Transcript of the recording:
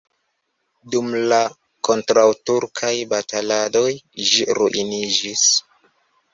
Dum la kontraŭturkaj bataladoj ĝi ruiniĝis.